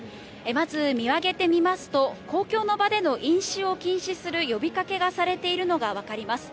まず見上げてみますと、公共の場での飲酒を禁止する呼びかけがされているのが分かります。